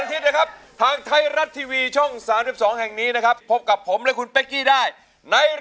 เป็นรายการที่มีทั้งความสนุนที่ดี